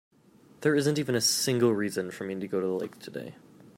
There isn't even a single reason for me to go to the lake today.